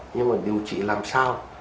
nhưng mà điều trị làm sao